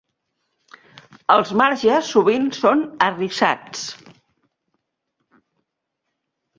Els marges sovint són arrissats.